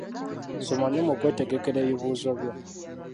Soma nnyo mu kwetegekera ebibuuzo byo.